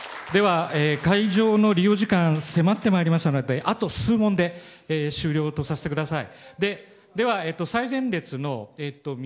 会場の利用時間が迫ってまいりましたのであと数問で終了とさせてください。